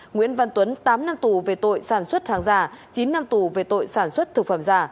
nguyễn văn tuấn tám năm tù về tội sản xuất hàng giả chín năm tù về tội sản xuất thực phẩm giả